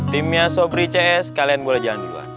tim yasobri cs kalian boleh jalan duluan